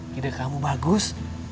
gede kamu bagus